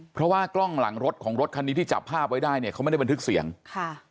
เพราะว่ากล้องหลังรถของรถคันนี้ที่จับภาพไว้ได้เนี่ยเขาไม่ได้บันทึกเสียงค่ะ